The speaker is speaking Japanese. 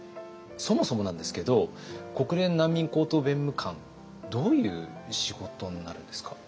そもそもなんですけど国連難民高等弁務官どういう仕事になるんですか？